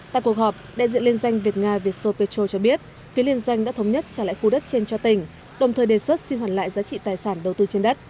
tại cuộc họp đại diện liên doanh việt nga vietso petro cho biết phía liên doanh đã thống nhất trả lại khu đất trên cho tỉnh đồng thời đề xuất xin hoàn lại giá trị tài sản đầu tư trên đất